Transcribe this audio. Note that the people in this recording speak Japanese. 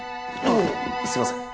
あっすいません。